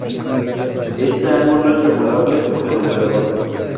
Este ángulo es regulable por el operador.